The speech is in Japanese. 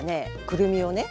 くるみをね